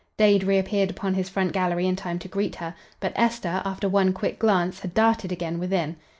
Dade reappeared upon his front gallery in time to greet her, but Esther, after one quick glance, had darted again within.